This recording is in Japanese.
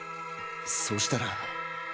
そしたら。